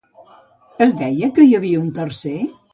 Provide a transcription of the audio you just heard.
Es deia que hi havia un tercer?